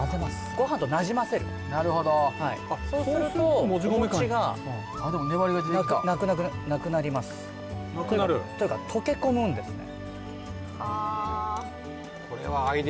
ご飯となじませるなるほどそうするとお餅があっでも粘りが出てきたなくなりますなくなる？というか溶け込むんですね